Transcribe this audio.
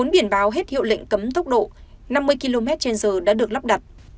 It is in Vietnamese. bốn biển báo hết hiệu lệnh cấm tốc độ năm mươi km trên giờ đã được lắp đặt